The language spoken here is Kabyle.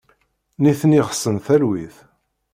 Nitni ɣsen talwit.